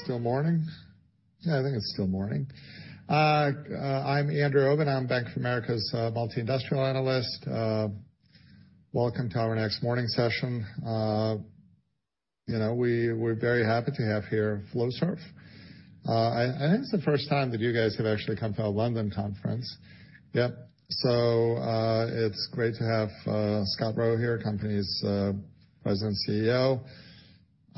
Is it still morning? Yeah, I think it's still morning. I'm Andrew Obin. I'm Bank of America's multi-industrial analyst. Welcome to our next morning session. You know, we're very happy to have here Flowserve. I think it's the first time that you guys have actually come to our London conference. Yep. It's great to have Scott Rowe here, company's President and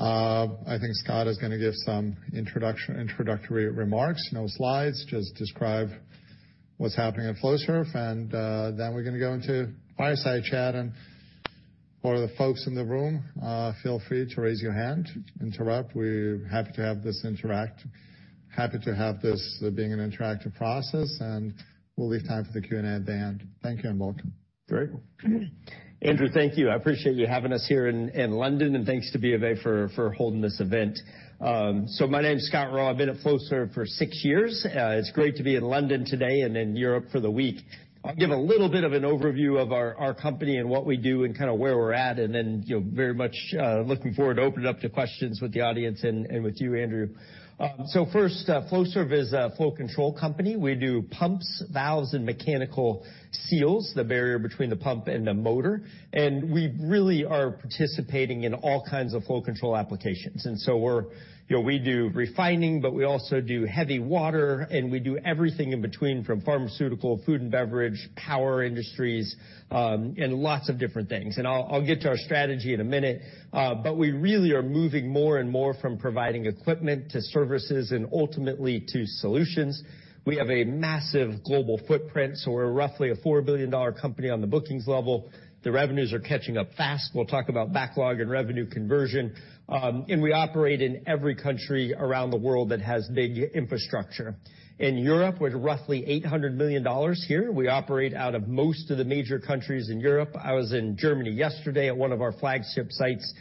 CEO. I think Scott is gonna give some introductory remarks. No slides, just describe what's happening at Flowserve, and then we're gonna go into fireside chat. For the folks in the room, feel free to raise your hand, interrupt. We're happy to have this being an interactive process, and we'll leave time for the Q&A at the end. Thank you, and welcome. Great. Andrew, thank you. I appreciate you having us here in London, and thanks to BofA for holding this event. My name's Scott Rowe. I've been at Flowserve for six years. It's great to be in London today and in Europe for the week. I'll give a little bit of an overview of our company and what we do and kinda where we're at, and then, you know, very much looking forward to opening up to questions with the audience and with you, Andrew. First, Flowserve is a flow control company. We do pumps, valves, and mechanical seals, the barrier between the pump and the motor. We really are participating in all kinds of flow control applications. We do refining, but we also do heavy water, and we do everything in between from pharmaceutical, food and beverage, power industries, and lots of different things. I'll get to our strategy in a minute. We really are moving more and more from providing equipment to services and ultimately to solutions. We have a massive global footprint, so we're roughly a $4 billion company on the bookings level. The revenues are catching up fast. We'll talk about backlog and revenue conversion. We operate in every country around the world that has big infrastructure. In Europe, we're roughly $800 million here. We operate out of most of the major countries in Europe. I was in Germany yesterday at one of our flagship sites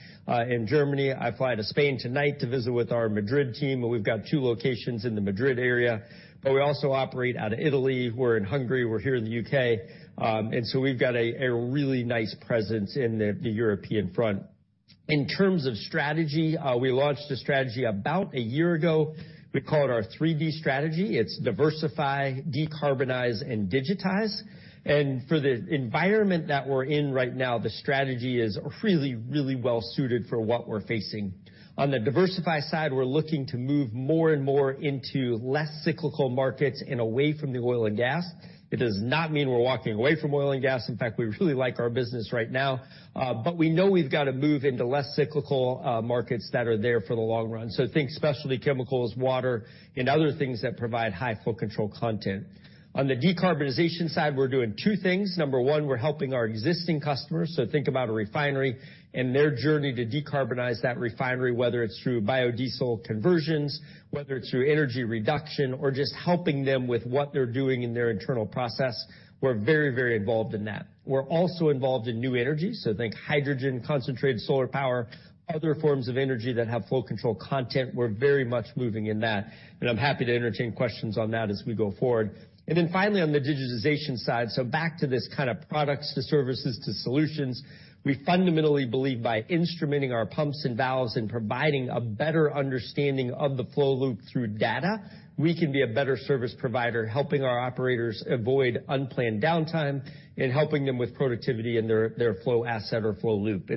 in Germany. I fly to Spain tonight to visit with our Madrid team. We've got two locations in the Madrid area. We also operate out of Italy. We're in Hungary. We're here in the U.K. We've got a really nice presence in the European front. In terms of strategy, we launched a strategy about a year ago. We call it our 3D strategy. It's Diversify, Decarbonize, and Digitize. For the environment that we're in right now, the strategy is really well suited for what we're facing. On the Diversify side, we're looking to move more and more into less cyclical markets and away from the oil and gas. It does not mean we're walking away from oil and gas. In fact, we really like our business right now. We know we've gotta move into less cyclical markets that are there for the long run. Think specialty chemicals, water, and other things that provide high flow control content. On the decarbonization side, we're doing two things. Number one, we're helping our existing customers, think about a refinery and their journey to decarbonize that refinery, whether it's through biodiesel conversions, whether it's through energy reduction, or just helping them with what they're doing in their internal process. We're very, very involved in that. We're also involved in new energy, think hydrogen, concentrated solar power, other forms of energy that have flow control content. We're very much moving in that, and I'm happy to entertain questions on that as we go forward. Finally, on the digitization side, back to this kind of products to services to solutions, we fundamentally believe by instrumenting our pumps and valves and providing a better understanding of the flow loop through data, we can be a better service provider, helping our operators avoid unplanned downtime and helping them with productivity in their flow asset or flow loop.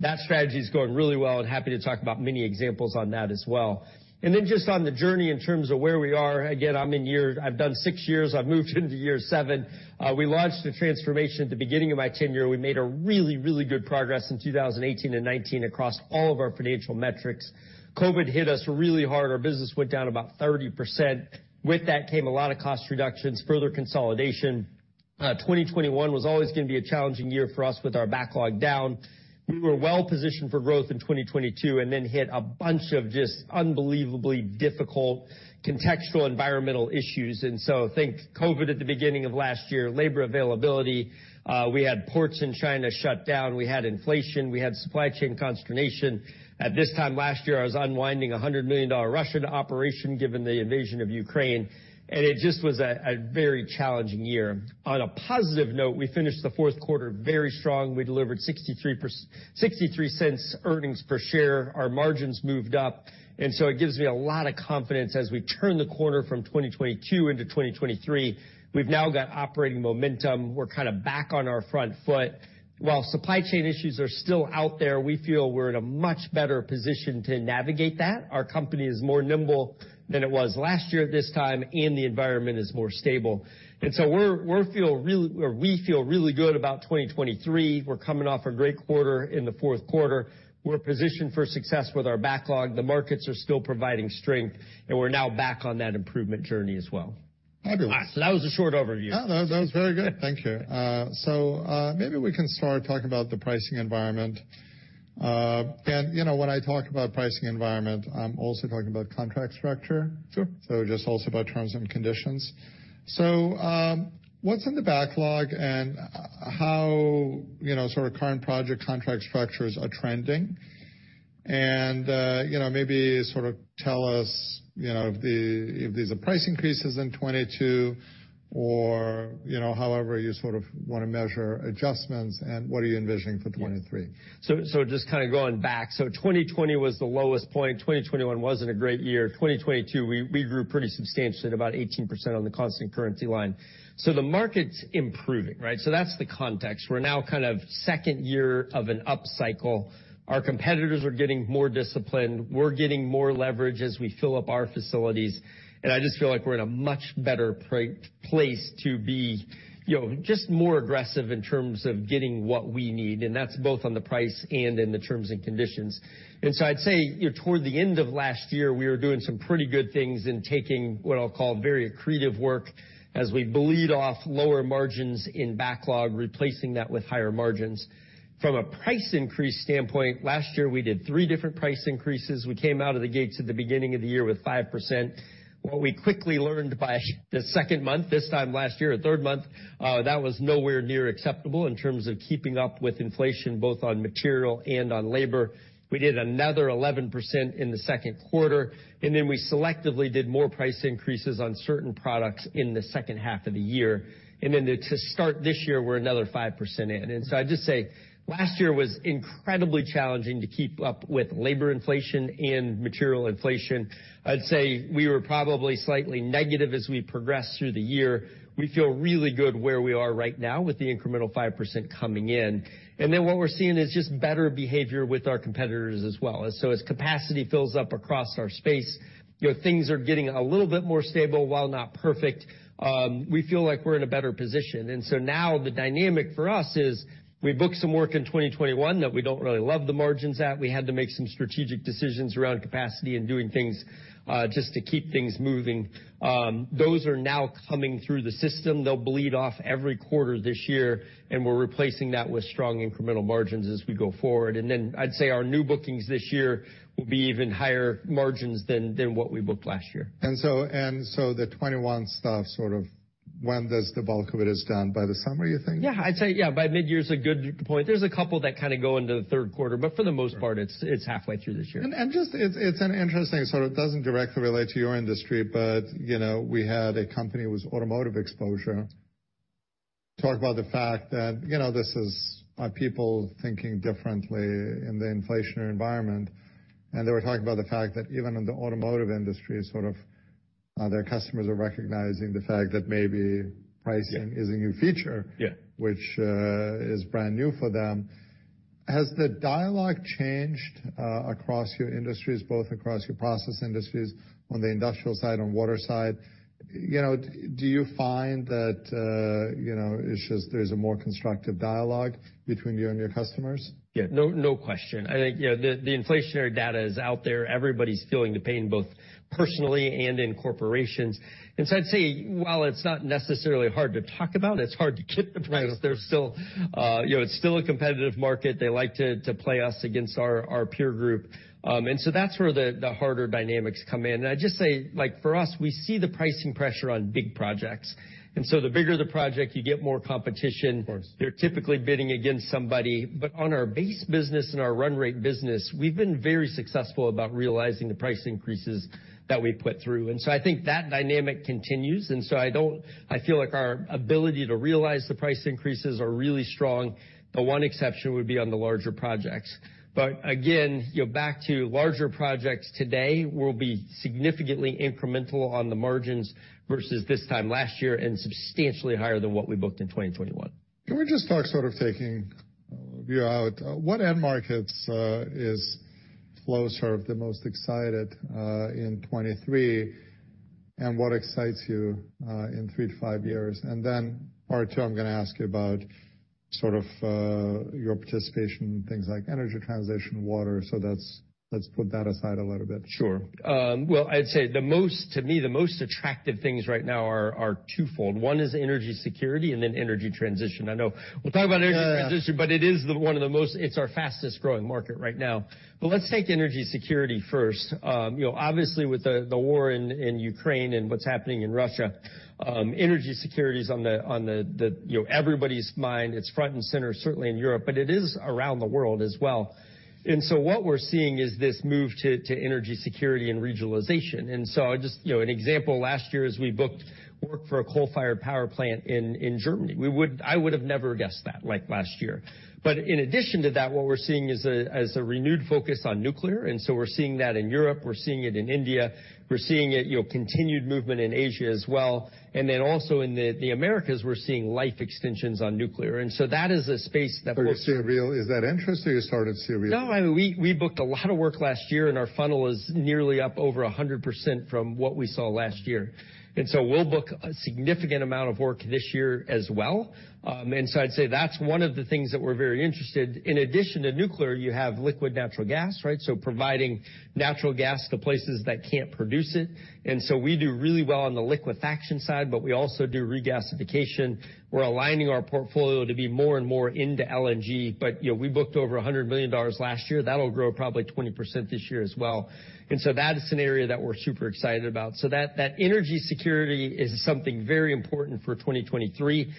That strategy's going really well and happy to talk about many examples on that as well. Just on the journey in terms of where we are, again, I've done six years. I've moved into year seven. We launched a transformation at the beginning of my tenure. We made a really good progress in 2018 and 2019 across all of our financial metrics. COVID hit us really hard. Our business went down about 30%. With that came a lot of cost reductions, further consolidation. 2021 was always gonna be a challenging year for us with our backlog down. We were well-positioned for growth in 2022 and then hit a bunch of just unbelievably difficult contextual environmental issues. Think COVID at the beginning of last year, labor availability. We had ports in China shut down. We had inflation. We had supply chain consternation. At this time last year, I was unwinding a $100 million Russian operation given the invasion of Ukraine, and it just was a very challenging year. On a positive note, we finished the fourth quarter very strong. We delivered $0.63 earnings per share. Our margins moved up. It gives me a lot of confidence as we turn the corner from 2022 into 2023. We've now got operating momentum. We're kinda back on our front foot. While supply chain issues are still out there, we feel we're in a much better position to navigate that. Our company is more nimble than it was last year at this time, and the environment is more stable. We feel really good about 2023. We're coming off a great quarter in the fourth quarter. We're positioned for success with our backlog. The markets are still providing strength, and we're now back on that improvement journey as well. Fabulous. That was a short overview. No, no, that was very good. Thank you. Maybe we can start talking about the pricing environment. You know, when I talk about pricing environment, I'm also talking about contract structure. Sure. Just also about terms and conditions. What's in the backlog and, you know, sort of current project contract structures are trending? You know, maybe sort of tell us, you know, if these are price increases in 2022 or, you know, however you sort of wanna measure adjustments and what are you envisioning for 2023. Yeah. Just kind of going back, 2020 was the lowest point. 2021 wasn't a great year. 2022, we grew pretty substantially at about 18% on the constant currency line. The market's improving, right? That's the context. We're now kind of second year of an up cycle. Our competitors are getting more disciplined. We're getting more leverage as we fill up our facilities, and I just feel like we're in a much better place to be, you know, just more aggressive in terms of getting what we need, and that's both on the price and in the terms and conditions. I'd say, you know, toward the end of last year, we were doing some pretty good things in taking what I'll call very accretive work as we bleed off lower margins in backlog, replacing that with higher margins. From a price increase standpoint, last year we did three different price increases. We came out of the gates at the beginning of the year with 5%. What we quickly learned by the second month this time last year, or third month, that was nowhere near acceptable in terms of keeping up with inflation, both on material and on labor. We did another 11% in the second quarter. Then we selectively did more price increases on certain products in the second half of the year. To start this year, we're another 5% in. I'd just say last year was incredibly challenging to keep up with labor inflation and material inflation. I'd say we were probably slightly negative as we progressed through the year. We feel really good where we are right now with the incremental 5% coming in. What we're seeing is just better behavior with our competitors as well. As capacity fills up across our space, you know, things are getting a little bit more stable. While not perfect, we feel like we're in a better position. Now the dynamic for us is we booked some work in 2021 that we don't really love the margins at. We had to make some strategic decisions around capacity and doing things just to keep things moving. Those are now coming through the system. They'll bleed off every quarter this year, and we're replacing that with strong incremental margins as we go forward. I'd say our new bookings this year will be even higher margins than what we booked last year. The 2021 stuff, sort of when does the bulk of it is done? By the summer, you think? Yeah. I'd say, yeah, by mid-year is a good point. There's a couple that kinda go into the third quarter, but for the most part, it's halfway through this year. Just, it's an interesting sort of doesn't directly relate to your industry, but, you know, we had a company with automotive exposure talk about the fact that, you know, this is, people thinking differently in the inflationary environment. They were talking about the fact that even in the automotive industry, sort of, their customers are recognizing the fact that maybe pricing... Yeah. Is a new feature. Yeah... which is brand new for them. Has the dialogue changed across your industries, both across your process industries, on the industrial side, on water side? You know, do you find that, you know, it's just there's a more constructive dialogue between you and your customers? Yeah, no question. I think, you know, the inflationary data is out there. Everybody's feeling the pain, both personally and in corporations. I'd say while it's not necessarily hard to talk about, it's hard to get the price. They're still, you know, it's still a competitive market. They like to play us against our peer group. That's where the harder dynamics come in. I'd just say, like, for us, we see the pricing pressure on big projects, so the bigger the project, you get more competition. Of course. They're typically bidding against somebody. On our base business and our run rate business, we've been very successful about realizing the price increases that we put through. I feel like our ability to realize the price increases are really strong. The one exception would be on the larger projects. Again, you know, back to larger projects today will be significantly incremental on the margins versus this time last year and substantially higher than what we booked in 2021. Can we just talk sort of taking view out, what end markets is Flowserve the most excited in 2023, and what excites you in three to five years? Part two, I'm gonna ask you about your participation in things like energy transition, water. Let's put that aside a little bit. Sure. Well, I'd say to me, the most attractive things right now are twofold. One is energy security and then energy transition. I know we'll talk about energy transition. Yeah. It's our fastest-growing market right now. Let's take energy security first. you know, obviously, with the war in Ukraine and what's happening in Russia, energy security is on everybody's mind. It's front and center, certainly in Europe, but it is around the world as well. What we're seeing is this move to energy security and regionalization. Just, you know, an example, last year is we booked work for a coal-fired power plant in Germany. I would have never guessed that, like, last year. In addition to that, what we're seeing is a renewed focus on nuclear, We're seeing that in Europe, we're seeing it in India, we're seeing it, you know, continued movement in Asia as well. Also in the Americas, we're seeing life extensions on nuclear. That is a space that we're. Is that interesting you started to. No, I mean, we booked a lot of work last year. Our funnel is nearly up over 100% from what we saw last year. We'll book a significant amount of work this year as well. I'd say that's one of the things that we're very interested. In addition to nuclear, you have liquid natural gas, right? Providing natural gas to places that can't produce it. We do really well on the liquefaction side. We also do regasification. We're aligning our portfolio to be more and more into LNG. You know, we booked over $100 million last year. That'll grow probably 20% this year as well. That is an area that we're super excited about. That energy security is something very important for 2023.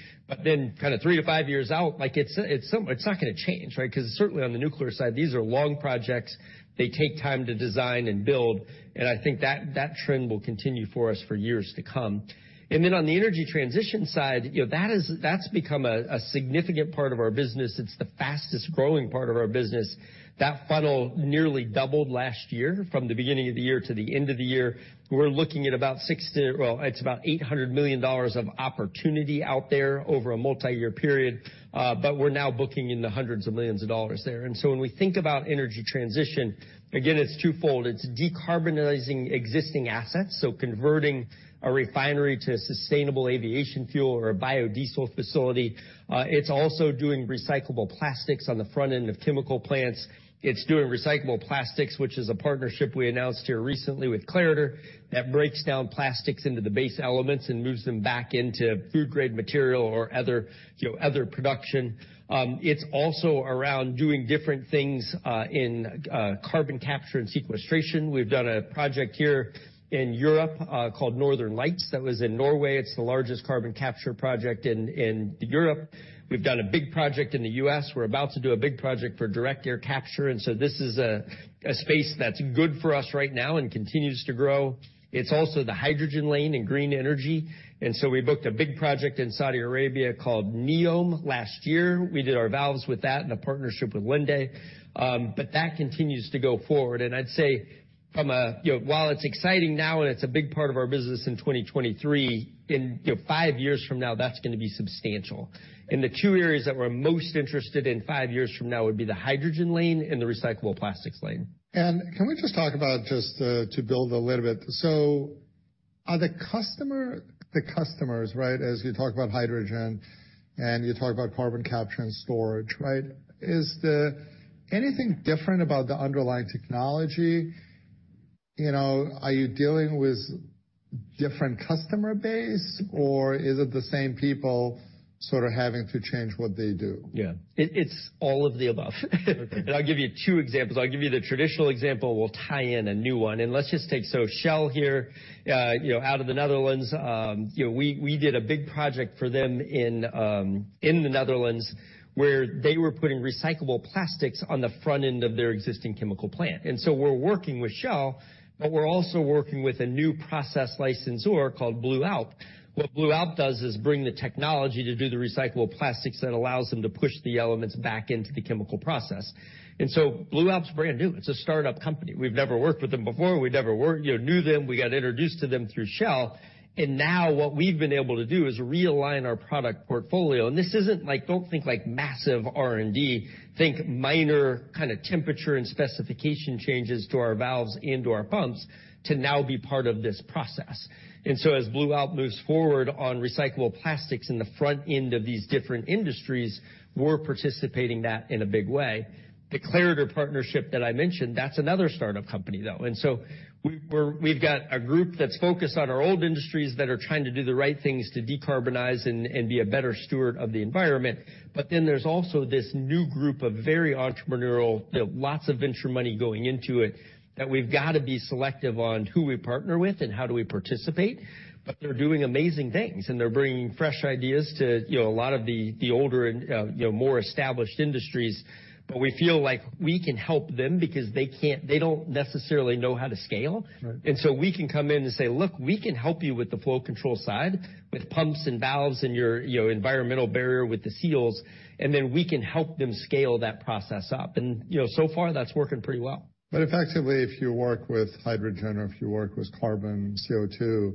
Kinda three to five years out, like it's not going to change, right? 'Cause certainly on the nuclear side, these are long projects. They take time to design and build, and I think that trend will continue for us for years to come. On the energy transition side, you know, that's become a significant part of our business. It's the fastest-growing part of our business. That funnel nearly doubled last year from the beginning of the year to the end of the year. We're looking at about, well, it's about $800 million of opportunity out there over a multiyear period, we're now booking in the hundreds of millions of dollars there. When we think about energy transition, again, it's twofold. It's decarbonizing existing assets, so converting a refinery to a sustainable aviation fuel or a biodiesel facility. It's also doing recyclable plastics on the front end of chemical plants. It's doing recyclable plastics, which is a partnership we announced here recently with Clariter, that breaks down plastics into the base elements and moves them back into food-grade material or other, you know, other production. It's also around doing different things in carbon capture and sequestration. We've done a project here in Europe, called Northern Lights. That was in Norway. It's the largest carbon capture project in Europe. We've done a big project in the U.S. We're about to do a big project for direct air capture. This is a space that's good for us right now and continues to grow. It's also the hydrogen lane and green energy. We booked a big project in Saudi Arabia called NEOM last year. We did our valves with that in a partnership with Linde. That continues to go forward. I'd say from a, you know, while it's exciting now and it's a big part of our business in 2023, in, you know, five years from now, that's gonna be substantial. The two areas that we're most interested in five years from now would be the hydrogen lane and the recyclable plastics lane. Can we just talk about just to build a little bit. Are the customers, right, as you talk about hydrogen and you talk about carbon capture and storage, right, is anything different about the underlying technology? You know, are you dealing with different customer base, or is it the same people sort of having to change what they do? Yeah. It's all of the above. Okay. I'll give you two examples. I'll give you the traditional example. We'll tie in a new one. Let's just take Shell here, you know, out of the Netherlands, you know, we did a big project for them in the Netherlands, where they were putting recyclable plastics on the front end of their existing chemical plant. We're working with Shell, but we're also working with a new process licensor called BlueAlp. What BlueAlp does is bring the technology to do the recyclable plastics that allows them to push the elements back into the chemical process. BlueAlp's brand new. It's a startup company. We've never worked with them before. We never, you know, knew them. We got introduced to them through Shell. Now what we've been able to do is realign our product portfolio. This isn't like, don't think like massive R&D. Think minor kinda temperature and specification changes to our valves and to our pumps to now be part of this process. As BlueAlp moves forward on recyclable plastics in the front end of these different industries, we're participating that in a big way. The Clariter partnership that I mentioned, that's another startup company, though. We've got a group that's focused on our old industries that are trying to do the right things to decarbonize and be a better steward of the environment. There's also this new group of very entrepreneurial, lots of venture money going into it, that we've got to be selective on who we partner with and how do we participate. They're doing amazing things, and they're bringing fresh ideas to, you know, a lot of the older and, you know, more established industries. We feel like we can help them because they don't necessarily know how to scale. Right. We can come in and say, "Look, we can help you with the flow control side, with pumps and valves and your, you know, environmental barrier with the seals," and then we can help them scale that process up. You know, so far, that's working pretty well. Effectively, if you work with hydrogen or if you work with carbon, CO2.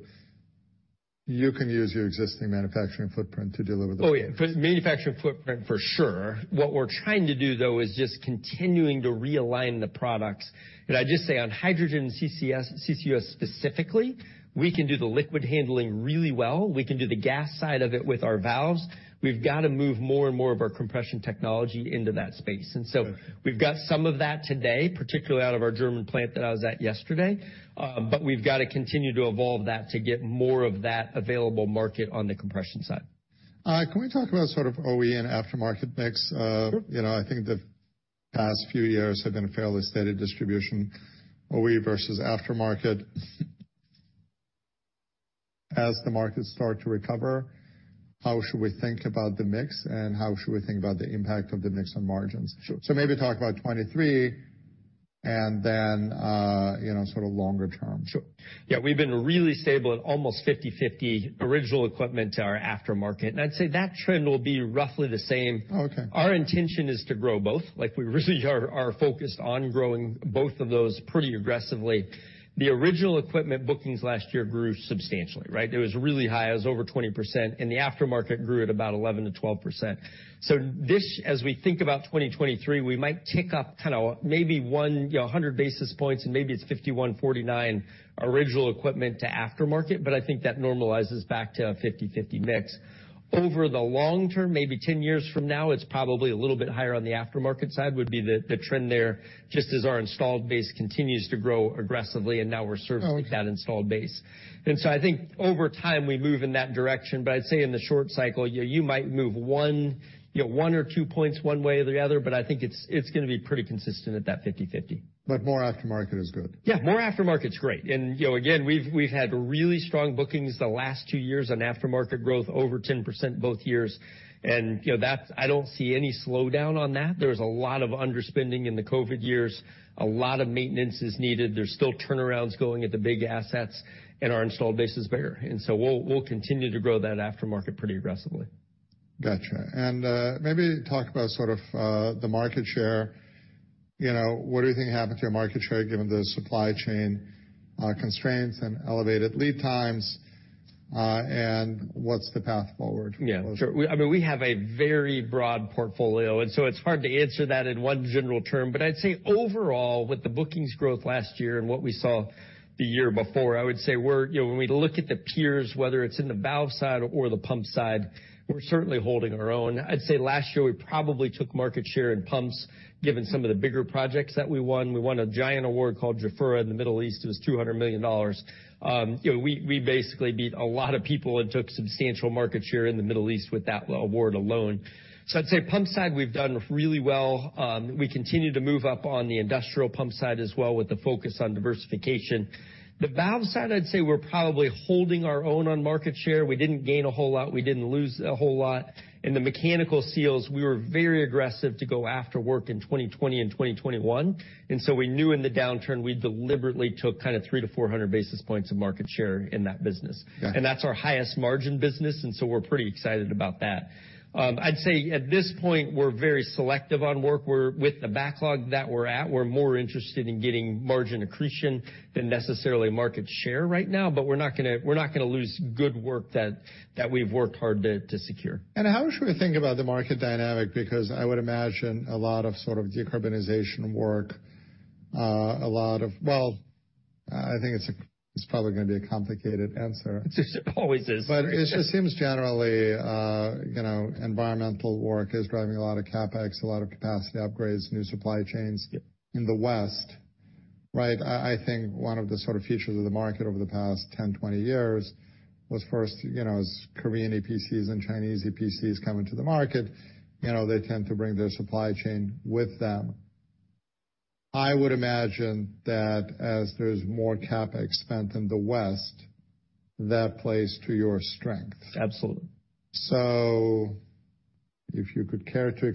You can use your existing manufacturing footprint to deliver those. Oh, yeah. Manufacturing footprint for sure. What we're trying to do, though, is just continuing to realign the products. Could I just say on hydrogen and CCUS specifically, we can do the liquid handling really well? We can do the gas side of it with our valves. We've got to move more and more of our compression technology into that space. We've got some of that today, particularly out of our German plant that I was at yesterday. We've got to continue to evolve that to get more of that available market on the compression side. Can we talk about sort of OE and aftermarket mix? Sure. You know, I think the past few years have been a fairly steady distribution, OE versus aftermarket. As the markets start to recover, how should we think about the mix, and how should we think about the impact of the mix on margins? Sure. Maybe talk about 2023 and then, you know, sort of longer term. Sure. Yeah, we've been really stable at almost 50/50 original equipment to our aftermarket. I'd say that trend will be roughly the same. Okay. Our intention is to grow both. Like, we really are focused on growing both of those pretty aggressively. The original equipment bookings last year grew substantially, right? It was really high. It was over 20%. The aftermarket grew at about 11%-12%. As we think about 2023, we might tick up kind of maybe, you know, 100 basis points and maybe it's 51/49 mix original equipment to aftermarket, but I think that normalizes back to a 50/50 mix. Over the long term, maybe 10 years from now, it's probably a little bit higher on the aftermarket side, would be the trend there, just as our installed base continues to grow aggressively and now we're servicing that installed base. I think over time, we move in that direction. I'd say in the short cycle, you might move 1, you know, 1 or 2 points one way or the other, but I think it's gonna be pretty consistent at that 50/50. More aftermarket is good. Yeah, more aftermarket's great. You know, again, we've had really strong bookings the last two years on aftermarket growth, over 10% both years. You know, I don't see any slowdown on that. There's a lot of underspending in the COVID years, a lot of maintenance is needed. There's still turnarounds going at the big assets, and our installed base is bigger. We'll continue to grow that aftermarket pretty aggressively. Gotcha. Maybe talk about sort of the market share. You know, what do you think happened to your market share given the supply chain constraints and elevated lead times, and what's the path forward? Yeah, sure. I mean, we have a very broad portfolio, and so it's hard to answer that in one general term. I'd say overall, with the bookings growth last year and what we saw the year before, I would say we're, you know, when we look at the peers, whether it's in the valve side or the pump side, we're certainly holding our own. I'd say last year, we probably took market share in pumps, given some of the bigger projects that we won. We won a giant award called Jafurah in the Middle East. It was $200 million. you know, we basically beat a lot of people and took substantial market share in the Middle East with that award alone. I'd say pump side, we've done really well. We continue to move up on the industrial pump side as well with the focus on diversification. The valve side, I'd say we're probably holding our own on market share. We didn't gain a whole lot, we didn't lose a whole lot. In the mechanical seals, we were very aggressive to go after work in 2020 and 2021. We knew in the downturn we deliberately took kind of 300-400 basis points of market share in that business. Got it. That's our highest margin business, and so we're pretty excited about that. I'd say at this point, we're very selective on work. With the backlog that we're at, we're more interested in getting margin accretion than necessarily market share right now, but we're not gonna lose good work that we've worked hard to secure. How should we think about the market dynamic? I would imagine a lot of sort of decarbonization work. I think it's probably gonna be a complicated answer. It always is. It just seems generally, you know, environmental work is driving a lot of CapEx, a lot of capacity upgrades, new supply chains in the West, right? I think one of the sort of features of the market over the past 10, 20 years was first, you know, as Korean EPCs and Chinese EPCs come into the market, you know, they tend to bring their supply chain with them. I would imagine that as there's more CapEx spent in the West, that plays to your strength. Absolutely. You know, if you could care to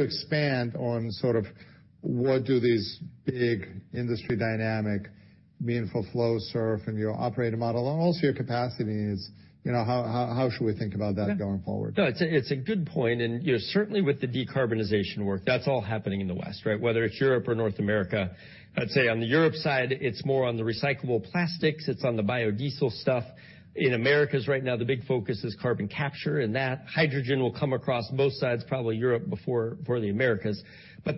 expand on sort of what do these big industry dynamic meaningful Flowserve in your operating model and also your capacity needs, you know, how should we think about that going forward? No, it's a good point. You know, certainly with the decarbonization work, that's all happening in the West, right? Whether it's Europe or North America. I'd say on the Europe side, it's more on the recyclable plastics, it's on the biodiesel stuff. In Americas right now, the big focus is carbon capture, that hydrogen will come across both sides, probably Europe before the Americas.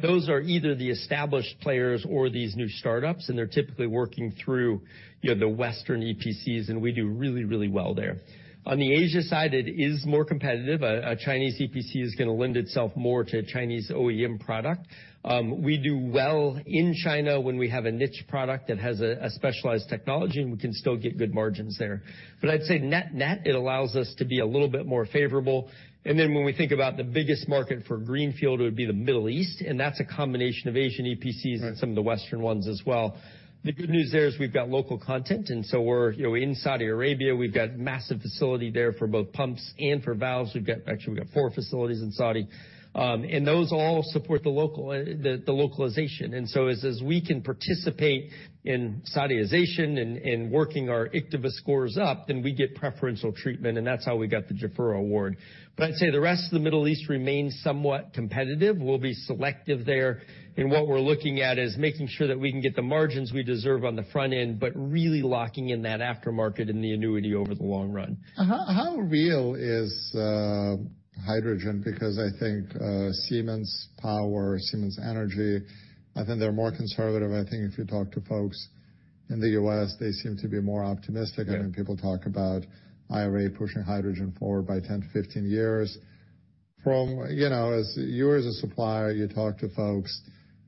Those are either the established players or these new startups, and they're typically working through, you know, the Western EPCs, and we do really well there. On the Asia side, it is more competitive. A Chinese EPC is gonna lend itself more to Chinese OEM product. We do well in China when we have a niche product that has a specialized technology, and we can still get good margins there. I'd say net-net, it allows us to be a little bit more favorable. When we think about the biggest market for greenfield, it would be the Middle East, and that's a combination of Asian EPCs and some of the Western ones as well. The good news there is we've got local content, we're, you know, in Saudi Arabia, we've got massive facility there for both pumps and for valves. Actually, we've got four facilities in Saudi. Those all support the local localization. As we can participate in Saudization and working our IKTVA scores up, then we get preferential treatment, and that's how we got the Jafurah award. I'd say the rest of the Middle East remains somewhat competitive. We'll be selective there. What we're looking at is making sure that we can get the margins we deserve on the front end, but really locking in that aftermarket and the annuity over the long run. How real is hydrogen? I think Siemens Power, Siemens Energy, I think they're more conservative. I think if you talk to in the U.S., they seem to be more optimistic. Yeah. I mean, people talk about IRA pushing hydrogen forward by 10 to-15 years. From, you know, as you as a supplier, you talk to folks,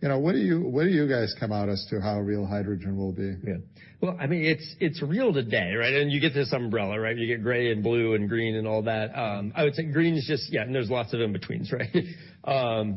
you know, what do you guys come out as to how real hydrogen will be? Yeah. Well, I mean, it's real today, right? You get this umbrella, right? You get gray and blue and green and all that. I would say green is just... Yeah, there's lots of in-betweens, right?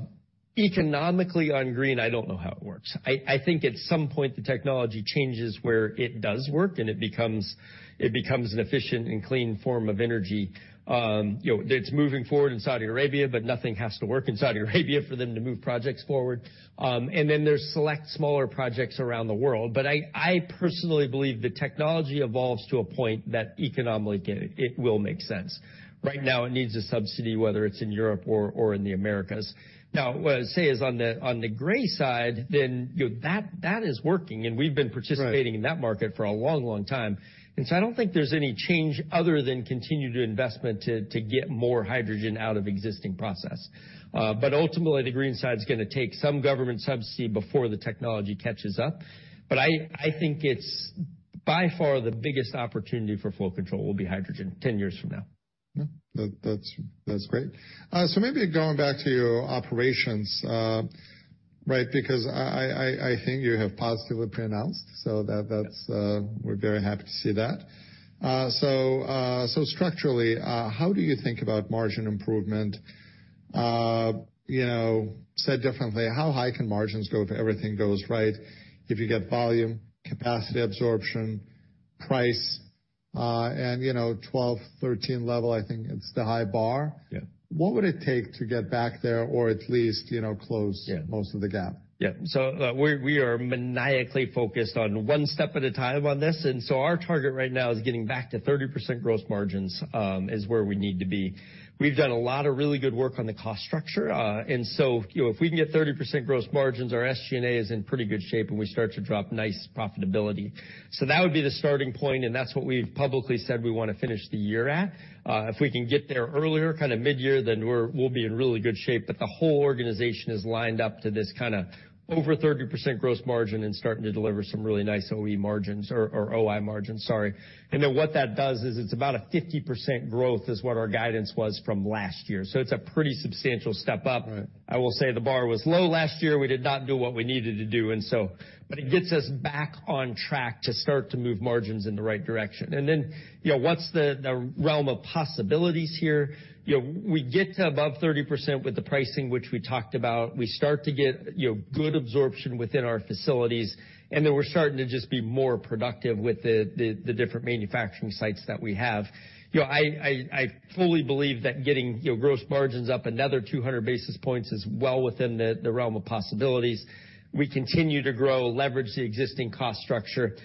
Economically, on green, I don't know how it works. I think at some point, the technology changes where it does work, and it becomes an efficient and clean form of energy. You know, it's moving forward in Saudi Arabia, but nothing has to work in Saudi Arabia for them to move projects forward. Then there's select smaller projects around the world, but I personally believe the technology evolves to a point that economically it will make sense. Right now, it needs a subsidy, whether it's in Europe or in the Americas. Now, what I'd say is on the gray side, then, you know, that is working, and we've been participating. Right. -in that market for a long, long time. I don't think there's any change other than continued investment to get more hydrogen out of existing process. Ultimately, the green side's gonna take some government subsidy before the technology catches up. I think it's by far the biggest opportunity for flow control will be hydrogen 10 years from now. Yeah. That's great. Maybe going back to your operations, right, because I think you have positively pre-announced, so that's, we're very happy to see that. Structurally, how do you think about margin improvement? You know, said differently, how high can margins go if everything goes right, if you get volume, capacity absorption, price, and you know, 12%, 13% level, I think it's the high bar. Yeah. What would it take to get back there or at least, you know, close- Yeah. most of the gap? Yeah. We are maniacally focused on one step at a time on this, and so our target right now is getting back to 30% gross margins is where we need to be. We've done a lot of really good work on the cost structure, you know, if we can get 30% gross margins, our SG&A is in pretty good shape, and we start to drop nice profitability. That would be the starting point, and that's what we've publicly said we wanna finish the year at. If we can get there earlier, kinda midyear, then we'll be in really good shape. The whole organization is lined up to this kinda over 30% gross margin and starting to deliver some really nice OE margins or OI margins, sorry. What that does is it's about a 50% growth is what our guidance was from last year, so it's a pretty substantial step up. Right. I will say the bar was low last year. We did not do what we needed to do. It gets us back on track to start to move margins in the right direction. You know, what's the realm of possibilities here? You know, we get to above 30% with the pricing which we talked about. We start to get, you know, good absorption within our facilities, we're starting to just be more productive with the different manufacturing sites that we have. You know, I fully believe that getting, you know, gross margins up another 200 basis points is well within the realm of possibilities. We continue to grow, leverage the existing cost structure. You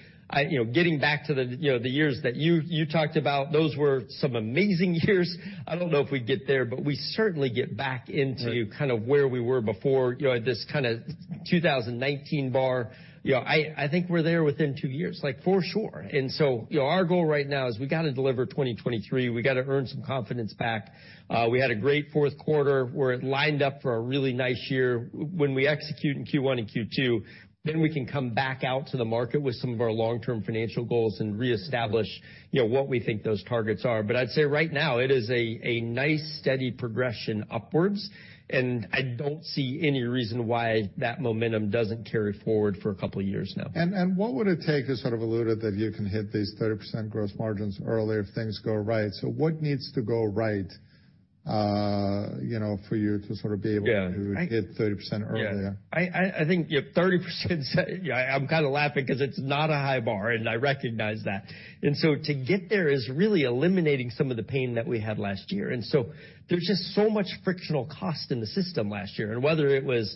know, getting back to the years that you talked about, those were some amazing years. I don't know if we'd get there, but we certainly get back into- Right. kind of where we were before, you know, this kinda 2019 bar. You know, I think we're there within two years, like, for sure. You know, our goal right now is we gotta deliver 2023. We gotta earn some confidence back. We had a great fourth quarter. We're lined up for a really nice year. When we execute in Q1 and Q2, then we can come back out to the market with some of our long-term financial goals and reestablish, you know, what we think those targets are. I'd say right now it is a nice steady progression upwards, and I don't see any reason why that momentum doesn't carry forward for a couple years now. What would it take, you sort of alluded, that you can hit these 30% gross margins earlier if things go right. What needs to go right, you know, for you to sort of? Yeah. To hit 30% earlier? Yeah. I think, 30% I'm kind of laughing 'cause it's not a high bar, and I recognize that. To get there is really eliminating some of the pain that we had last year. There's just so much frictional cost in the system last year. Whether it was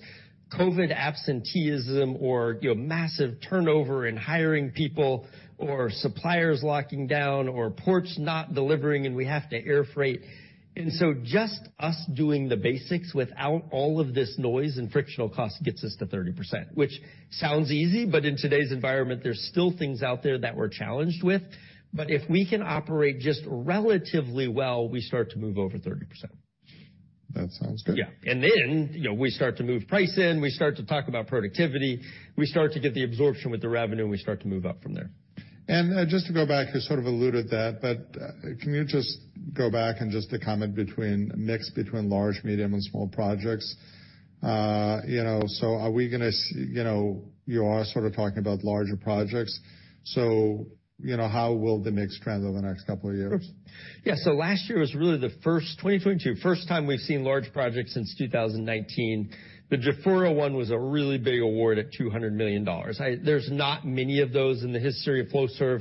COVID absenteeism or, you know, massive turnover and hiring people or suppliers locking down or ports not delivering and we have to air freight. Just us doing the basics without all of this noise and frictional cost gets us to 30%, which sounds easy, but in today's environment, there's still things out there that we're challenged with. If we can operate just relatively well, we start to move over 30%. That sounds good. Yeah. Then, you know, we start to move price in, we start to talk about productivity, we start to get the absorption with the revenue, and we start to move up from there. Just to go back, you sort of alluded that, but, can you just go back and just to comment between mix between large, medium, and small projects? You know, are we gonna you know, you are sort of talking about larger projects, so, you know, how will the mix trend over the next couple of years? Sure. Yeah, last year was really the first, 2022, first time we've seen large projects since 2019. The Jafurah one was a really big award at $200 million. There's not many of those in the history of Flowserve.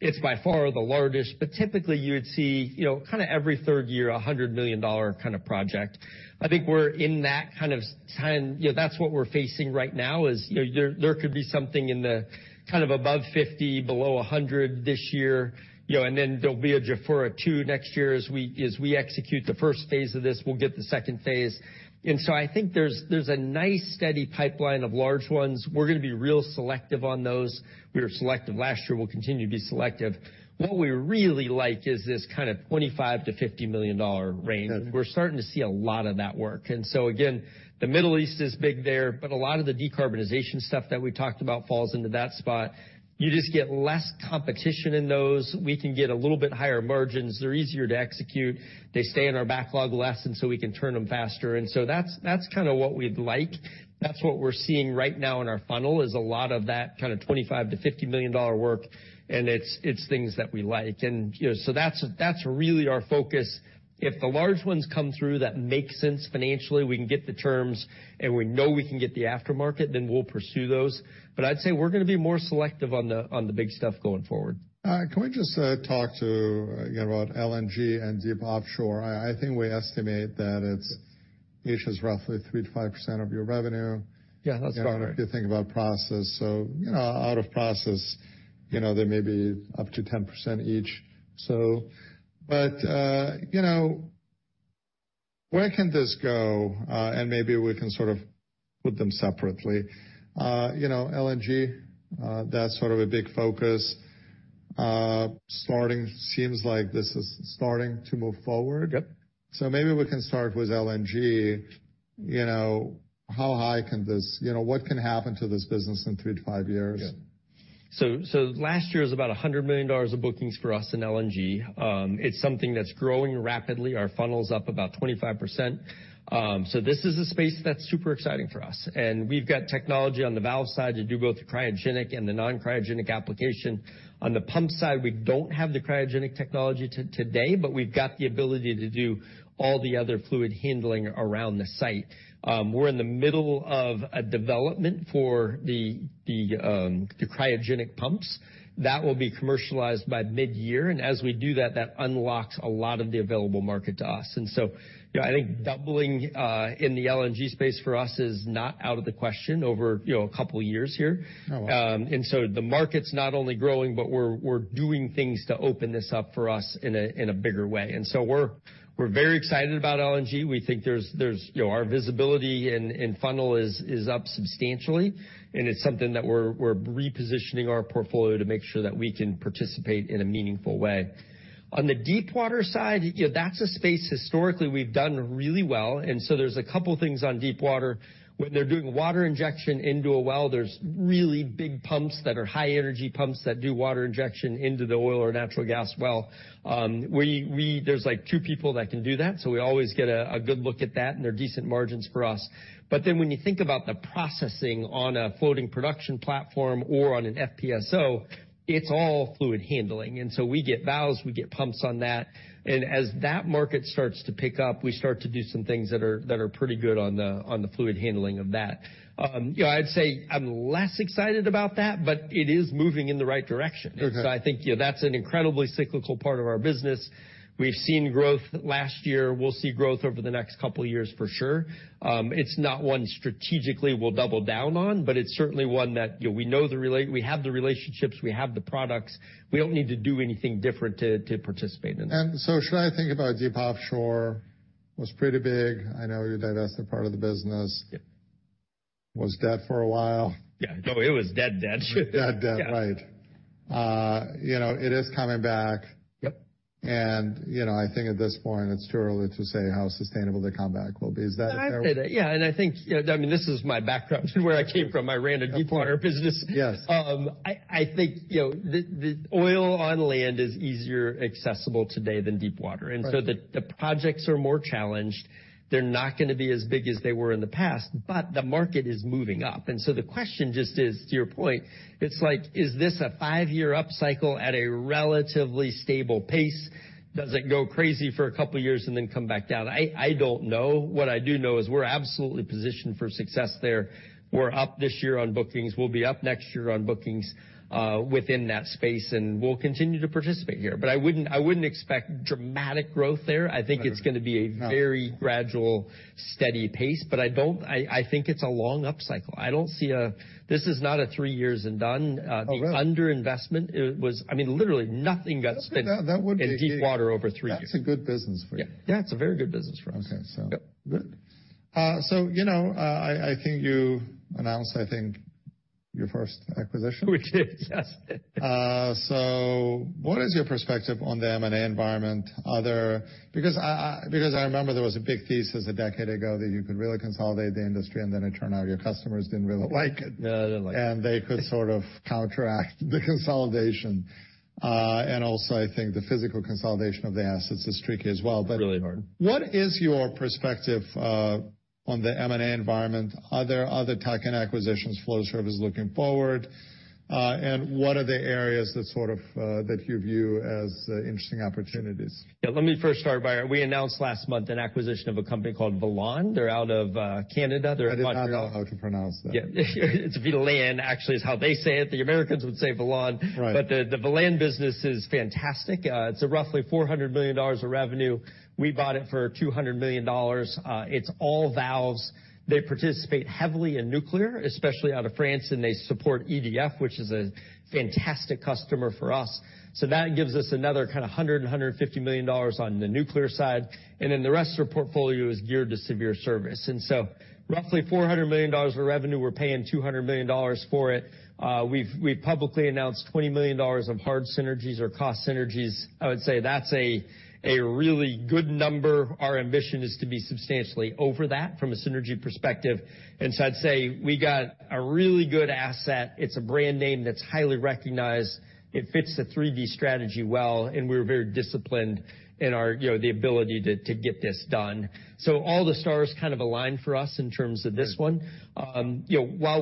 It's by far the largest, but typically you would see, you know, kind of every third year, a $100 million kind of project. I think we're in that kind of time. You know, that's what we're facing right now is, you know, there could be something in the kind of above $50 million, below $100 million this year, you know, and then there'll be a Jafurah two next year. As we execute the first phase of this, we'll get the second phase. I think there's a nice steady pipeline of large ones. We're going to be real selective on those. We were selective last year. We'll continue to be selective. What we really like is this kind of $25 million-$50 million range. Yeah. We're starting to see a lot of that work. Again, the Middle East is big there, but a lot of the decarbonization stuff that we talked about falls into that spot. You just get less competition in those. We can get a little bit higher margins. They're easier to execute. They stay in our backlog less, and so we can turn them faster. That's, that's kind of what we'd like. That's what we're seeing right now in our funnel, is a lot of that kind of $25 million-$50 million work, and it's things that we like. You know, that's really our focus. If the large ones come through that make sense financially, we can get the terms, and we know we can get the aftermarket, then we'll pursue those. I'd say we're gonna be more selective on the big stuff going forward. Can we just talk to, you know, about LNG and deep offshore? I think we estimate that it's each is roughly 3%-5% of your revenue. Yeah, that's about right. If you think about process, you know, out of process, you know, they may be up to 10% each, so. You know, where can this go? Maybe we can sort of put them separately. You know, LNG, that's sort of a big focus. Seems like this is starting to move forward. Yep. maybe we can start with LNG. You know, how high can this... You know, what can happen to this business in three to five years? Last year was about $100 million of bookings for us in LNG. It's something that's growing rapidly. Our funnel's up about 25%. This is a space that's super exciting for us, and we've got technology on the valve side to do both the cryogenic and the non-cryogenic application. On the pump side, we don't have the cryogenic technology today, but we've got the ability to do all the other fluid handling around the site. We're in the middle of a development for the cryogenic pumps. That will be commercialized by midyear, and as we do that unlocks a lot of the available market to us. You know, I think doubling in the LNG space for us is not out of the question over, you know, a couple years here. Oh, wow. The market's not only growing, but we're doing things to open this up for us in a bigger way. We're very excited about LNG. We think there's You know, our visibility and funnel is up substantially, and it's something that we're repositioning our portfolio to make sure that we can participate in a meaningful way. On the deepwater side, you know, that's a space historically we've done really well, and so there's a couple things on deepwater. When they're doing water injection into a well, there's really big pumps that are high-energy pumps that do water injection into the oil or natural gas well. We there's, like, two people that can do that, so we always get a good look at that, and they're decent margins for us. When you think about the processing on a floating production platform or on an FPSO, it's all fluid handling. We get valves, we get pumps on that, and as that market starts to pick up, we start to do some things that are pretty good on the, on the fluid handling of that. You know, I'd say I'm less excited about that, but it is moving in the right direction. Okay. I think, you know, that's an incredibly cyclical part of our business. We've seen growth last year. We'll see growth over the next couple years for sure. It's not one strategically we'll double down on, but it's certainly one that, you know, we know we have the relationships, we have the products. We don't need to do anything different to participate in that. should I think about deep offshore, was pretty big. I know you divested part of the business. Yep. Was dead for a while. Yeah. No, it was dead dead. Dead dead, right. Yeah. you know, it is coming back. Yep. You know, I think at this point it's too early to say how sustainable the comeback will be. Is that fair? I'd say that, yeah, and I think, you know, I mean, this is my background and where I came from. I ran a deepwater business. Yes. I think, you know, the oil on land is easier accessible today than deepwater. Right. The, the projects are more challenged. They're not gonna be as big as they were in the past, but the market is moving up. The question just is, to your point, it's like, is this a five-year upcycle at a relatively stable pace? Does it go crazy for a couple years and then come back down? I don't know. What I do know is we're absolutely positioned for success there. We're up this year on bookings. We'll be up next year on bookings, within that space, and we'll continue to participate here. I wouldn't expect dramatic growth there. Right. I think it's gonna be a very gradual, steady pace. I think it's a long upcycle. This is not a 3 years and done. Oh, really? The underinvestment it was, I mean, literally nothing got spent. That would be- in deepwater over three years. That's a good business for you. Yeah. Yeah, it's a very good business for us. Okay. Yep. Good. You know, I think you announced, I think, your first acquisition. We did. Yes. What is your perspective on the M&A environment? I remember there was a big thesis a decade ago that you could really consolidate the industry, and then it turned out your customers didn't really like it. Yeah, they didn't like it. They could sort of counteract the consolidation. Also, I think the physical consolidation of the assets is tricky as well. Really hard. What is your perspective on the M&A environment? Are there other tack-in acquisitions Flowserve is looking forward? What are the areas that sort of, that you view as interesting opportunities? Yeah. Let me first start by we announced last month an acquisition of a company called Velan. They're out of Canada. I did not know how to pronounce that. Yeah. It's Velan, actually, is how they say it. The Americans would say Velan. Right. The Velan business is fantastic. It's roughly $400 million of revenue. We bought it for $200 million. It's all valves. They participate heavily in nuclear, especially out of France, and they support EDF, which is a fantastic customer for us. That gives us another kind of $150 million on the nuclear side, and then the rest of our portfolio is geared to severe service. Roughly $400 million of revenue, we're paying $200 million for it. We've publicly announced $20 million of hard synergies or cost synergies. I would say that's a really good number. Our ambition is to be substantially over that from a synergy perspective. I'd say we got a really good asset. It's a brand name that's highly recognized. It fits the 3D strategy well, and we're very disciplined in our, you know, the ability to get this done. All the stars kind of aligned for us in terms of this one. Right. you know,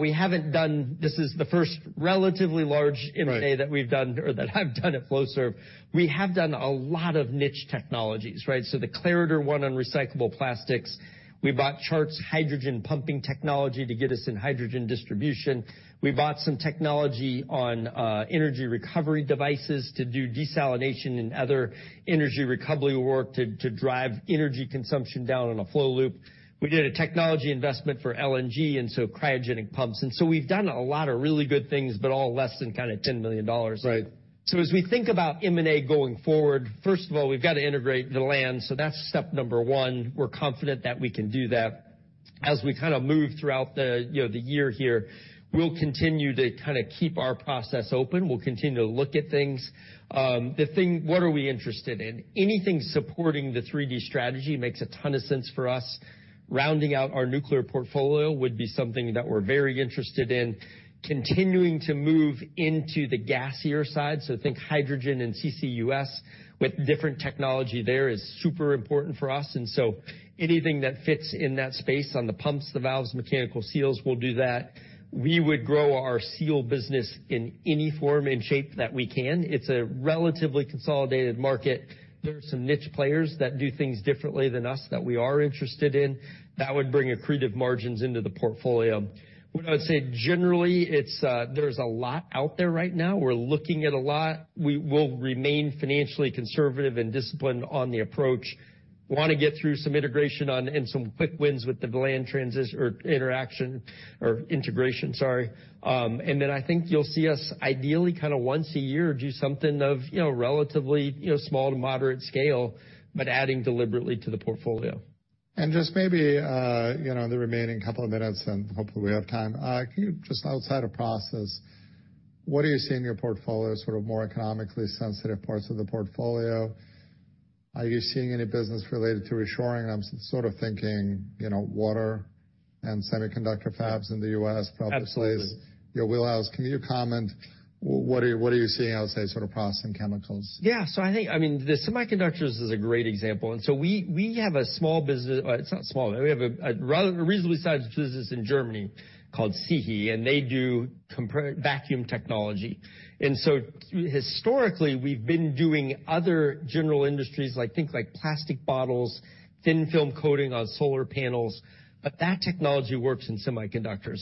This is the first relatively large M&A-. Right. that we've done or that I've done at Flowserve. We have done a lot of niche technologies, right? So the Clariter one on recyclable plastics. We bought Chart's hydrogen pumping technology to get us in hydrogen distribution. We bought some technology on energy recovery devices to do desalination and other energy recovery work to drive energy consumption down on a flow loop. We did a technology investment for LNG, and so cryogenic pumps. We've done a lot of really good things, but all less than kinda $10 million. Right. As we think about M&A going forward, first of all, we've got to integrate Velan, that's step number one. We're confident that we can do that. As we kind of move throughout the, you know, the year here, we'll continue to kind of keep our process open. We'll continue to look at things. What are we interested in? Anything supporting the 3D strategy makes a ton of sense for us. Rounding out our nuclear portfolio would be something that we're very interested in. Continuing to move into the gassier side, so think hydrogen and CCUS with different technology there is super important for us. Anything that fits in that space on the pumps, the valves, mechanical seals, we'll do that. We would grow our seal business in any form and shape that we can. It's a relatively consolidated market. There are some niche players that do things differently than us that we are interested in. That would bring accretive margins into the portfolio. What I would say generally, it's, there's a lot out there right now. We're looking at a lot. We will remain financially conservative and disciplined on the approach. Wanna get through some integration on and some quick wins with the Velan integration, sorry. I think you'll see us ideally kind of once a year do something of, you know, relatively, you know, small to moderate scale, but adding deliberately to the portfolio. Just maybe, you know, in the remaining couple of minutes, and hopefully we have time, can you just outside of process, what are you seeing in your portfolio, sort of more economically sensitive parts of the portfolio? Are you seeing any business related to reshoring? I'm sort of thinking, you know, water and semiconductor fabs in the U.S. Absolutely. Probably place your wheelhouse. Can you comment what are you seeing, I'll say, sort of process and chemicals? Yeah. I think, I mean, the semiconductors is a great example. We have a rather reasonably sized business in Germany called SIHI, and they do vacuum technology. Historically, we've been doing other general industries, like think like plastic bottles, thin film coating on solar panels, but that technology works in semiconductors.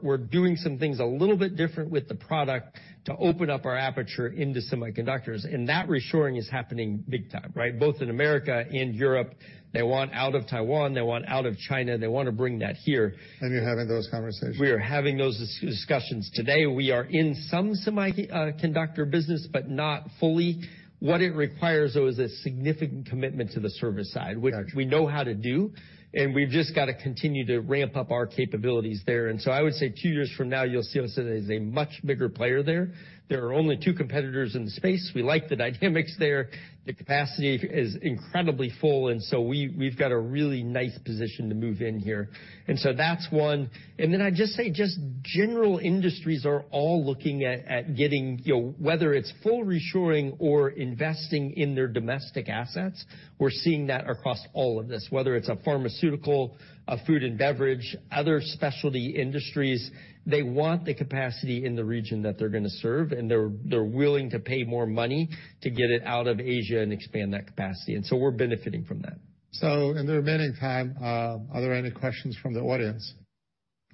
We're doing some things a little bit different with the product to open up our aperture into semiconductors. That reshoring is happening big time, right? Both in America and Europe. They want out of Taiwan. They want out of China. They wanna bring that here. You're having those conversations. We are having those discussions today. We are in some semiconductor business, but not fully. What it requires, though, is a significant commitment to the service side... Got you. -which we know how to do, and we've just got to continue to ramp up our capabilities there. I would say two years from now, you'll see us as a much bigger player there. There are only two competitors in the space. We like the dynamics there. The capacity is incredibly full, and so we've got a really nice position to move in here. That's one. I'd just say just general industries are all looking at getting, you know, whether it's full reshoring or investing in their domestic assets, we're seeing that across all of this. Whether it's a pharmaceutical, a food and beverage, other specialty industries, they want the capacity in the region that they're gonna serve, and they're willing to pay more money to get it out of Asia and expand that capacity. We're benefiting from that. In the remaining time, are there any questions from the audience?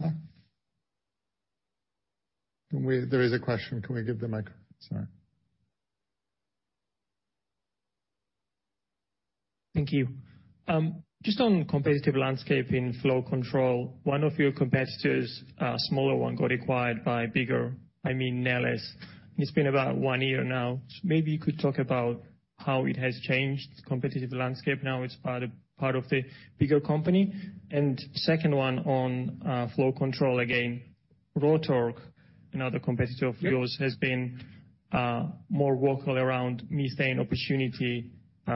Huh? There is a question. Can we give the microphone, sir? Thank you. Just on competitive landscape in flow control, one of your competitors, a smaller one, got acquired by bigger, I mean, Neles. It's been about one year now. Maybe you could talk about how it has changed competitive landscape now it's part of the bigger company. And second one on flow control again. Rotork, another competitor of yours- Yeah. -has been, more vocal around methane opportunity,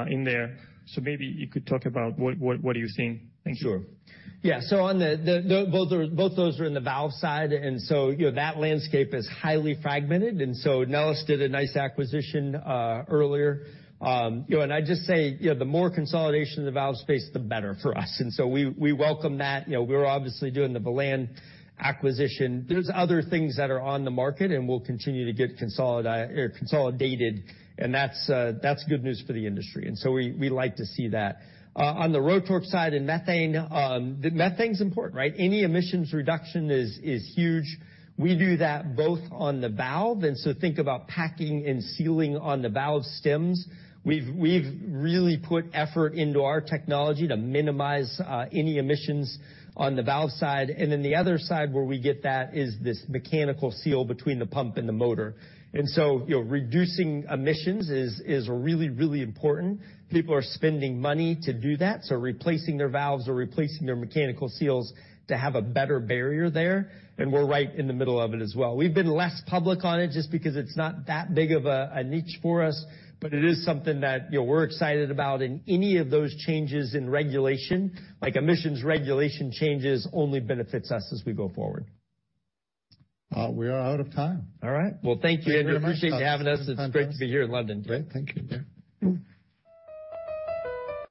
in there. Maybe you could talk about what are you seeing? Thank you. Sure. Yeah. Both those are in the valve side, you know, that landscape is highly fragmented. Neles did a nice acquisition earlier. You know, I'd just say, you know, the more consolidation in the valve space, the better for us. We welcome that. You know, we're obviously doing the Velan acquisition. There's other things that are on the market, we'll continue to get consolidated, that's good news for the industry. We like to see that. On the Rotork side and methane, the methane's important, right? Any emissions reduction is huge. We do that both on the valve, think about packing and sealing on the valve stems. We've really put effort into our technology to minimize any emissions on the valve side. The other side where we get that is this mechanical seal between the pump and the motor. You know, reducing emissions is really, really important. People are spending money to do that, so replacing their valves or replacing their mechanical seals to have a better barrier there. We're right in the middle of it as well. We've been less public on it just because it's not that big of a niche for us, but it is something that, you know, we're excited about in any of those changes in regulation. Like emissions regulation changes only benefits us as we go forward. We are out of time. All right. Well, thank you, Andrew. Thank you very much. I appreciate you having us. It's been fantastic. It's great to be here in London. Great. Thank you, Andrew.